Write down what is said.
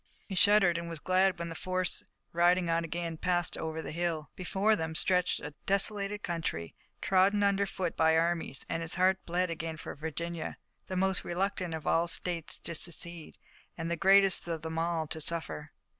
He shuddered, and was glad when the force, riding on again, passed over the hill. Before them now stretched a desolated country, trodden under foot by the armies, and his heart bled again for Virginia, the most reluctant of all the states to secede, and the greatest of them all to suffer.